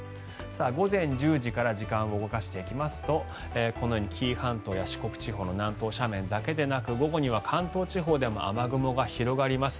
午前１０時から時間を動かしていきますとこのように紀伊半島や四国地方の南東斜面だけでなく午後には関東地方でも雨雲が広がります。